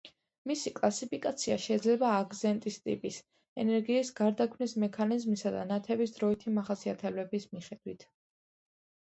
მისი კლასიფიკაცია შეიძლება აგზნების ტიპის, ენერგიის გარდაქმნის მექანიზმისა და ნათების დროითი მახასიათებლების მიხედვით.